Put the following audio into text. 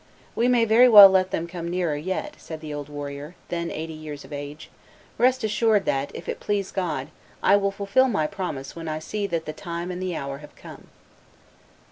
"We may very well let them come nearer yet," said the old warrior, then eighty years of age; "rest assured that, if it please God, I will fulfil my promise when I see that the time and the hour have come."